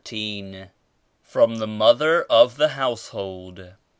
s$ FROM THE MOTHER OF THE HOUSEHOLD.